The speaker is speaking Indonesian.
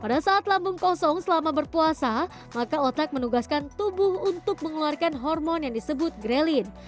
pada saat lambung kosong selama berpuasa maka otak menugaskan tubuh untuk mengeluarkan hormon yang disebut grelin